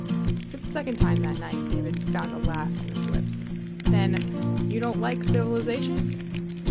For the second time that night David found a laugh on his lips. "Then you don't like civilization?"